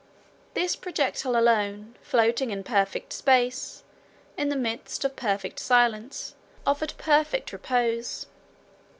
This projectile alone, floating in perfect space, in the midst of perfect silence, offered perfect repose.